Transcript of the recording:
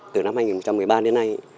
từ năm hai nghìn một mươi ba đến nay